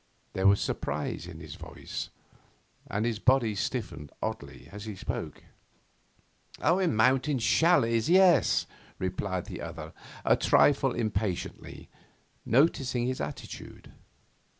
There was surprise in his voice, and his body stiffened oddly as he spoke. 'In mountain châlets, yes,' replied the other a trifle impatiently, noticing his attitude.